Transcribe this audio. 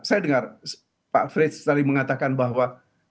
saya dengar pak frits tadi mengatakan bahwa